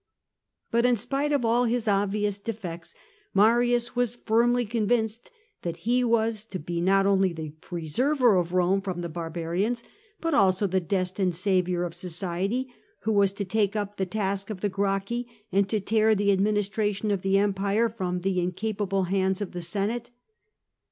But, in spite of all his obvious defects, Marius was firmly convinced that he was to be not only the preserver of Rome from the barbarians, but also the destined " saviour of society," who was to take up the task of the Gracchi and to tear the administration of the empire from the incapable hands of the Senate.